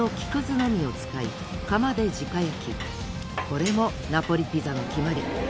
これもナポリピザの決まり。